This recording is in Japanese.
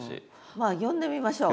まあ呼んでみましょう。